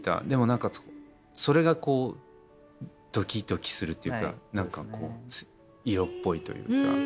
でも何かそれがこうドキドキするっていうか何かこう色っぽいというか。